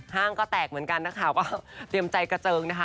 ห้างก็แตกเหมือนกันนักข่าวก็เตรียมใจกระเจิงนะคะ